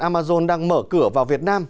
amazon đang mở cửa vào việt nam